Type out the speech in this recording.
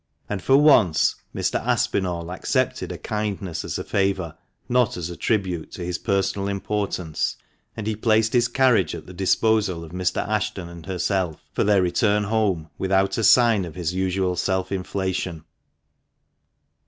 And for once Mr. Aspinall accepted a kindness as a favour, not as a tribute to his personal importance, and he placed his carriage at the disposal of Mr. Ashton and herself for their return home without a sign of his usual self inflation.